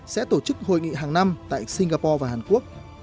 sẽ tổ chức hội nghị hàng năm tại singapore và hàn quốc